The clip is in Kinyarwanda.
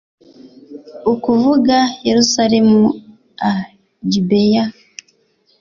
ukuvuga Yerusalemu a Gibeya b